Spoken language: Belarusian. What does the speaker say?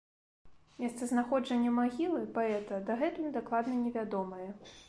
Месцазнаходжанне магілы паэта дагэтуль дакладна невядомае.